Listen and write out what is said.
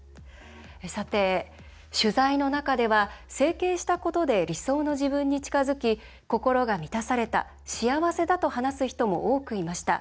取材の中では整形したことで理想の自分に近づき心が満たされた幸せだと話す人も多くいました。